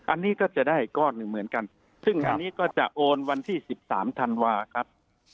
อันนี้ก็จะได้ก้อนหนึ่งเหมือนกันซึ่งอันนี้ก็จะโอนวันที่๑๓ธันวาครับ